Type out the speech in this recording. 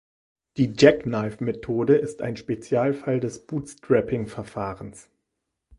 Die Jackknife-Methode ist ein Spezialfall des Bootstrapping-Verfahrens.